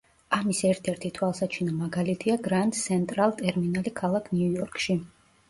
ამის ერთ-ერთი თვალსაჩინო მაგალითია გრანდ სენტრალ ტერმინალი ქალაქ ნიუ-იორკში.